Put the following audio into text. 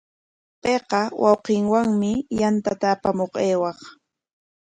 Payqa wawqinwami yantata apamuq aywaq.